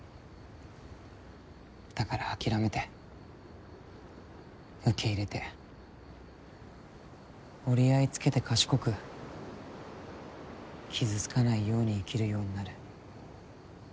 だから諦めて受け入れて折り合いつけて賢く傷つかないように生きるようになる。